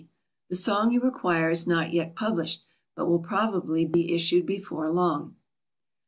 The song you require is not yet published, but will probably be issued before long.